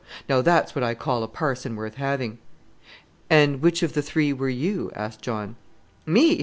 Now that's what I call a parson worth having." "And which of the three were you?" asked John. "Me!